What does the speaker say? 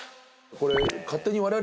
これ。